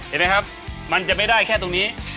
เห็นไหมครับมันจะไม่ได้แค่ตรงนี้